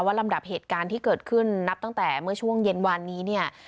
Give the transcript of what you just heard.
ลำดับเหตุการณ์ที่เกิดขึ้นนับตั้งแต่เมื่อช่วงเย็นวานนี้เนี่ย